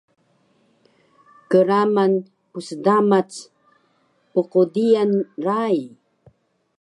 kraman psdamac pqdiyan rai